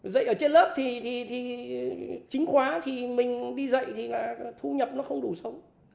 dạy ở trên lớp thì chính khóa thì mình đi dạy thì là thu nhập nó không đủ sống